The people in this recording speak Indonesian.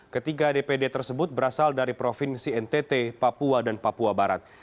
ketiga dpd tersebut berasal dari provinsi ntt papua dan papua barat